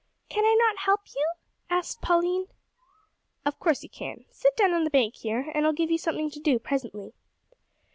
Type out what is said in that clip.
"Can I not help you?" asked Pauline. "Of course you can. Sit down on the bank here, and I'll give you something to do presently."